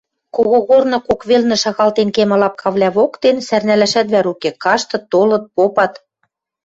Когогорны кок велнӹ шагалтен кемӹ лапкавлӓ воктен сӓрнӓлӓшӓт вӓр уке, каштыт, толыт, попат